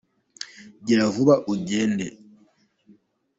giravuba ugende.